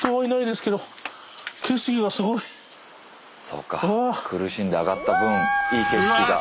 そうか苦しんで上がった分いい景色が。